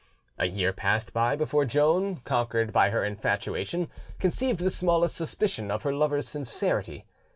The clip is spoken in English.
A year passed by before Joan, conquered by her infatuation, conceived the smallest suspicion of her lover's sincerity.